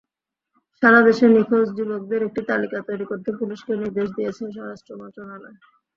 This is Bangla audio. সারা দেশে নিখোঁজ যুবকদের একটি তালিকা তৈরি করতে পুলিশকে নির্দেশ দিয়েছে স্বরাষ্ট্র মন্ত্রণালয়।